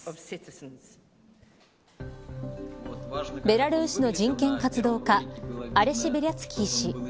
ベラルーシの人権活動家アレシ・ベリャツキー氏。